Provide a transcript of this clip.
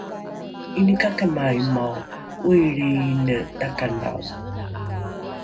’inikakamamaimao ’oilriine takanao